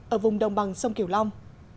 ở vùng đồng bằng sông kiều long